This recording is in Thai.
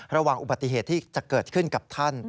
ระหว่างอุบัติเหตุที่จะเกิดขึ้นกับท่าน